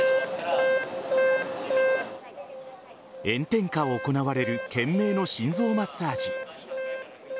炎天下、行われる懸命の心臓マッサージ。